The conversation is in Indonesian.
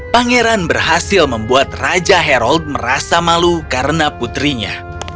pangeran berhasil membuat raja harold merasa malu karena putrinya